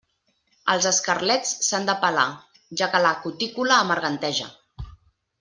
Els escarlets s'han de pelar, ja que la cutícula amarganteja.